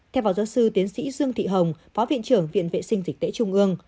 theo phó giáo sư tiến sĩ dương thị hồng phó viện trưởng viện vệ sinh dịch tễ trung ương